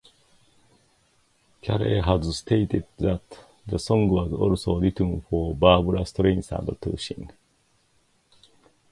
Carey has stated that the song was also written for Barbra Streisand to sing.